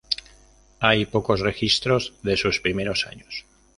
Hay pocos registros de sus primeros años.